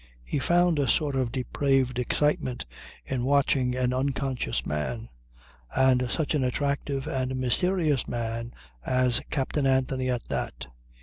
He found a sort of depraved excitement in watching an unconscious man and such an attractive and mysterious man as Captain Anthony at that.